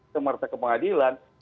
semarta ke pengadilan